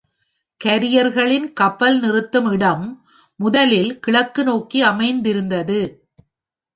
Carrier-களின் கப்பல் நிறுத்தும் இடம், முதலில் கிழக்கு நோக்கி அமைந்திருந்தது.